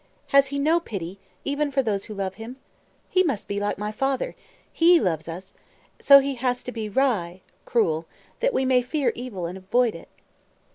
Has he no pity, even for those who love him? He must be like my father; he loves us, so he has to be rye (cruel), that we may fear evil and avoid it."